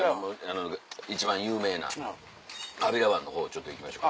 一番有名な川平湾のほうちょっと行きましょう。